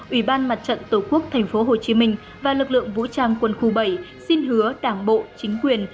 ủy ban mặt trận tổ quốc tp hcm và lực lượng vũ trang quân khu bảy xin hứa đảng bộ chính quyền